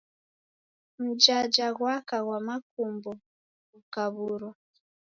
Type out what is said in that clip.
Mjaja ghwaka ghwa makumbo ghukaw'urwa.